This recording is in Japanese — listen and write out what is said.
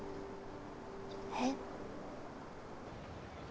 えっ？